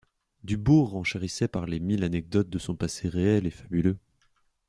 Dubourg renchérissait par les mille anecdotes de son passé réel et fabuleux.